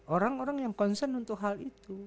orang orang yang concern untuk hal itu